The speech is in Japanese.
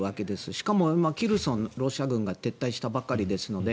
しかも今、ヘルソンからロシア軍が撤退したばかりですので